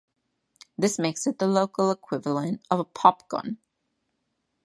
This makes it the local equivalent of a pop gun.